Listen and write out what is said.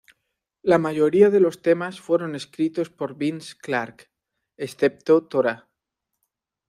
La mayoría de los temas fueron escritos por Vince Clarke, excepto "Tora!